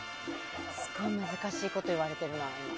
すごい難しいこと言われてるな。